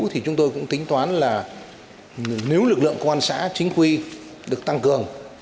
thì chúng tôi cũng tính toán là nếu lực lượng công an xã chính quy được tăng cường